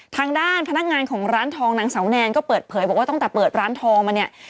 ทางด้านพนักงานของร้านทองนางเสาแนนก็เปิดเผยบอกว่าตั้งแต่เปิดร้านทองมาเนี่ย